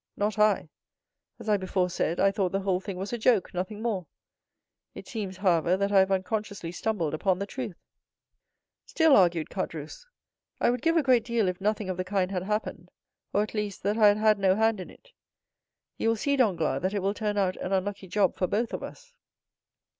"Not I. As I before said, I thought the whole thing was a joke, nothing more. It seems, however, that I have unconsciously stumbled upon the truth." "Still," argued Caderousse, "I would give a great deal if nothing of the kind had happened; or, at least, that I had had no hand in it. You will see, Danglars, that it will turn out an unlucky job for both of us."